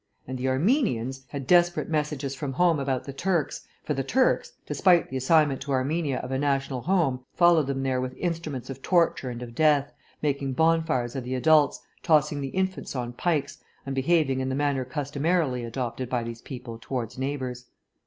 And the Armenians had desperate messages from home about the Turks, for the Turks, despite the assignment to Armenia of a national home, followed them there with instruments of torture and of death, making bonfires of the adults, tossing the infants on pikes, and behaving in the manner customarily adopted by these people towards neighbours.